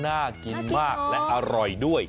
น่ากินมากและอร่อยด้วย